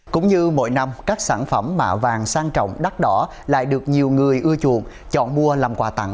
cũng như mỗi năm các sản phẩm mạ vàng sang trọng đắt đỏ lại được nhiều người ưa chuộng chọn mua làm quà tặng